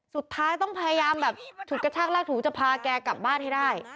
สุดท้ายต้องพยายามแบบฉุดกระชากลากถูจะพาแกกลับบ้านให้ได้